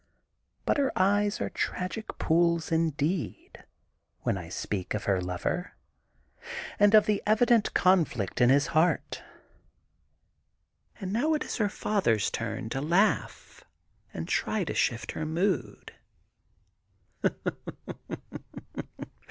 But her eyes are tragic poojs, indeed, when I speak of her lover, and of the evident conflict in his heart. And now it is her father's turn to laugh and try to shift her mood.